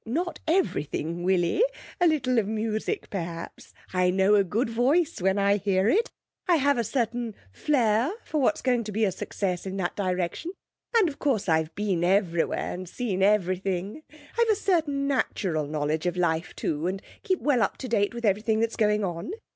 'Not everything, Willie; a little of music, perhaps. I know a good voice when I hear it. I have a certain flair for what's going to be a success in that direction, and of course I've been everywhere and seen everything. I've a certain natural knowledge of life, too, and keep well up to date with everything that's going on.